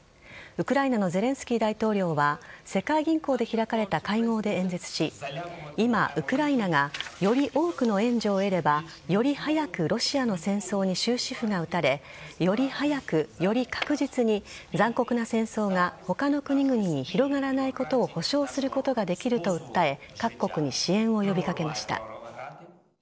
ウクライナのゼレンスキー大統領は世界銀行で開かれた会合で演説し今、ウクライナがより多くの援助を得ればより早くロシアの戦争に終止符が打たれより早く、より確実に残酷な戦争が他の国々に広がらないことを保証することができると訴え各国に支援を呼び掛けました。